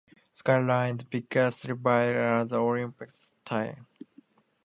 Skyline's biggest rivals are the Olympus Titans.